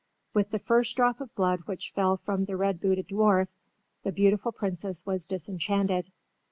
With the first drop of blood which fell from the red booted dwarf the beautiful princess was disenchanted.